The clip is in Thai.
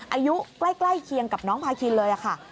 อายุใกล้เคียงกับน้องพาคินเลยค่ะ